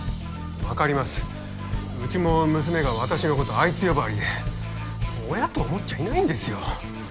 分かりますうちも娘が私のこと「アイツ」呼ばわりで親と思っちゃいないんですよ